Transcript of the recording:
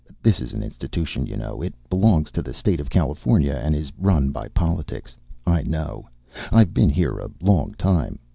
This is an institution, you know. It belongs to the State of California and is run by politics. I know. I've been here a long time.